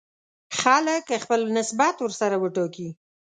خلک خپل نسبت ورسره وټاکي.